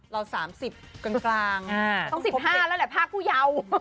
ต้อง๑๕แล้วแหละภาคผู้เยา